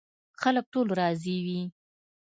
خلک ټول راضي وي.